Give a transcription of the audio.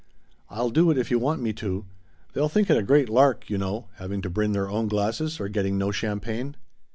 I'll do it if you want me to. They'll think it a great lark, you know, having to bring their own glasses or getting no champagne."